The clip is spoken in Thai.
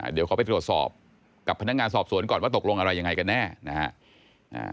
เดี๋ยวขอไปตรวจสอบกับพนักงานสอบสวนก่อนว่าตกลงอะไรยังไงกันแน่นะฮะ